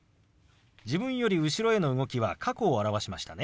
自分より後ろへの動きは過去を表しましたね。